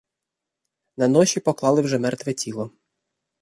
На ноші поклали вже мертве тіло.